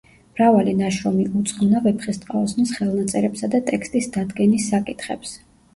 მრავალი ნაშრომი უძღვნა ვეფხისტყაოსნის ხელნაწერებსა და ტექსტის დადგენის საკითხებს.